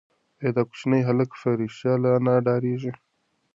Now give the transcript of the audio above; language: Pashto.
ایا دا کوچنی هلک په رښتیا له انا ډارېږي؟